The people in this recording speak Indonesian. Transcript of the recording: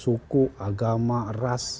suku agama ras